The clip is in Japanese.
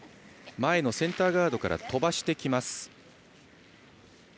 前のセンターガードから飛ばしてきます。